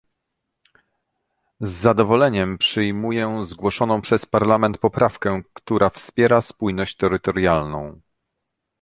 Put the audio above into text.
Z zadowoleniem przyjmuję zgłoszoną przez Parlament poprawkę, która wspiera spójność terytorialną